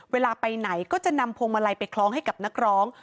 เวลาไปไหนก็จะนำพวงมาลัยไปคล้องให้กับนักร้อง